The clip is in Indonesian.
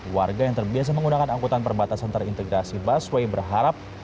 warga yang terbiasa menggunakan angkutan perbatasan terintegrasi busway berharap